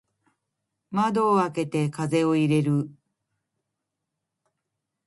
窓を開けて風を入れる。